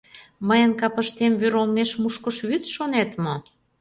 Мыйын капыштем вӱр олмеш мушкышвӱд, шонет мо?